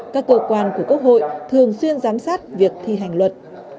các cơ quan của quốc hội thường xuyên giám sát việc thi hành luật